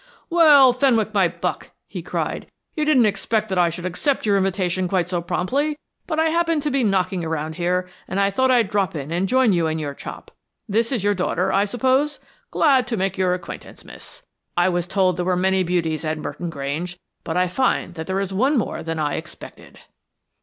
"Well, Fenwick, my buck!" he cried. "You didn't expect that I should accept your invitation quite so promptly, but I happen to be knocking around here, and I thought I'd drop in and join you in your chop. This is your daughter, I suppose? Glad to make your acquaintance, miss. I was told there were many beauties at Merton Grange, but I find that there is one more than I expected."